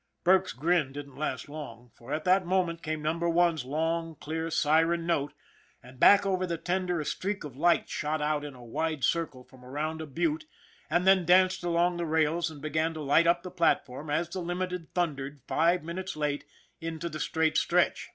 Burke's grin didn't last long, for at that moment came Number One's long, clear siren note, and back over the tender a streak of light shot out in a wide circle from around a butte and then danced along the rails and began to light up the platform, as the Limited thundered, five minutes late, into the straight stretch.